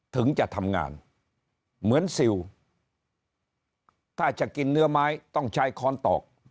ถึงจะทำงานเหมือนซิลถ้าจะกินเนื้อไม้ต้องใช้ค้อนตอก